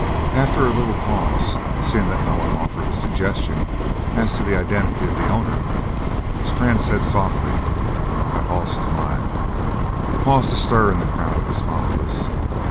After a little pause, seeing that no one offered a suggestion as to the identity of the owner, Strann said, softly: "That hoss is mine." It caused a stir in the crowd of his followers.